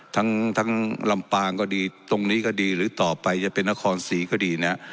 ทั้งทั้งลำปางก็ดีตรงนี้ก็ดีหรือต่อไปจะเป็นนครศรีก็ดีนะ